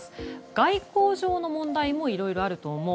外交上の問題もいろいろあると思う。